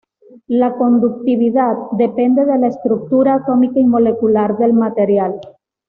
La conductividad depende de la estructura atómica y molecular del material.